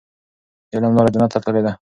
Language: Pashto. د علم لاره جنت ته تللې ده.